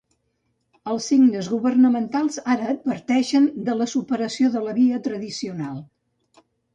Els signes governamentals ara adverteixen de la superació de la via tradicional.